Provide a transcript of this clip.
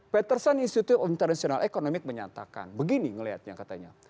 patterson institute of international economics menyatakan begini ngelihatnya katanya